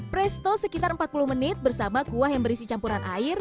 presto sekitar empat puluh menit bersama kuah yang berisi campuran air